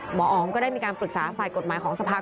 หมออ๋องก็ได้มีการปรึกษาฝ่ายกฎหมายของสภา